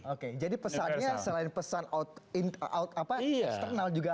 oke jadi pesannya selain pesan out external juga